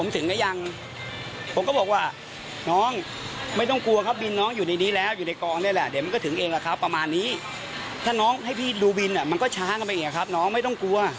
แต่ทุกคนกินประจำหรือไม่รู้ประโยชน์นี้ผมพูดประจำ